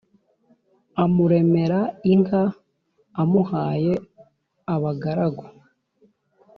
amuremera inka amuhaye abagaragu